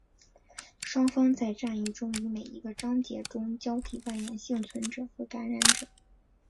双方在战役中于每一个章节中交替扮演幸存者和感染者。